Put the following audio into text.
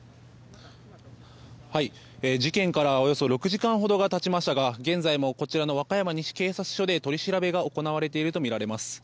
事件からおよそ６時間ほどがたちましたが現在もこちらの和歌山西警察署で取り調べが行われているとみられます。